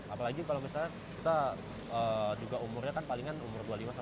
apalagi kalau misalnya kita juga umurnya kan palingan umur dua puluh lima satu